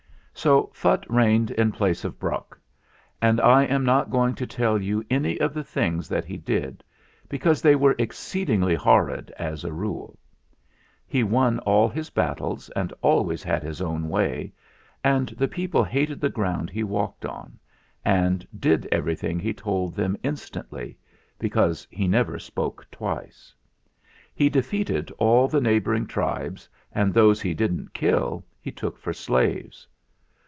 So Phutt reigned in place of Brok ; and I am not going to tell you any of the things that he did, because they were exceedingly horrid as a rule. He won all his battles and always had his own way, and the people hated the ground he walked on, and did everything he told them instantly, because he never spoke twice. He defeated all the neighbouring tribes, and those he didn't kill he took for slaves.